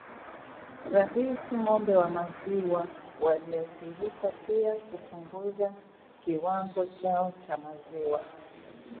rahisi Ng'ombe wa maziwa walioathirika pia hupunguza kiwango chao cha maziwa